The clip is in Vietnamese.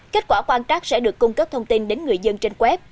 kết quả quan trắc sẽ được cung cấp thông tin đến người dân trên web